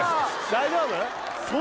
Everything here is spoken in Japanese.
大丈夫？